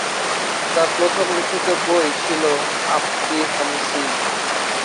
তার প্রথম লিখিত বই ছিল আপ কি হামসি।